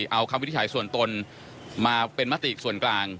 เอาคำวินิจฉัยส่วนตนมาเป็นมติส่วนกลาง